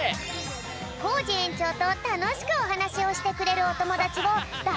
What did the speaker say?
コージえんちょうとたのしくおはなしをしてくれるおともだちをだ